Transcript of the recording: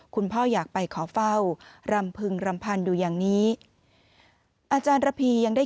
พ่ออยากไปขอเฝ้ารำพึงรำพันธ์อยู่อย่างนี้อาจารย์ระพียังได้